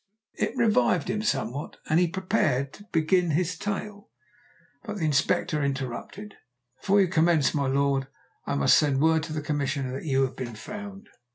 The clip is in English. It revived him somewhat, and he prepared to begin his tale. But the Inspector interrupted "Before you commence, my lord, I must send word to the Commissioner that you have been found."